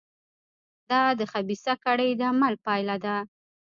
دا د خبیثه کړۍ د عمل پایله ده.